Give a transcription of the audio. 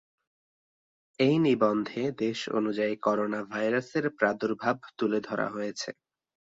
এই নিবন্ধে দেশ অনুযায়ী করোনাভাইরাসের প্রাদুর্ভাব তুলে ধরা হয়েছে।